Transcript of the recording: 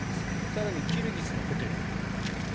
更に、キルギスのホテル